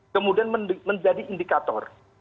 kemudian menjadi indikator